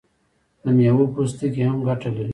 د میوو پوستکي هم ګټه لري.